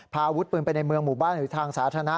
พาอาวุธปืนไปในเมืองหมู่บ้านหรือทางสาธารณะ